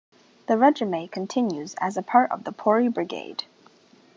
The regiment continues as a part of the Pori Brigade.